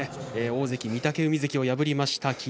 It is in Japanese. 大関御嶽海関を破りました霧